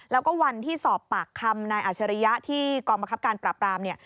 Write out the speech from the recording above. แล้วก็วันที่สอบปากคำนายอาชริยะที่กองบังคับการปราบรามเนี่ย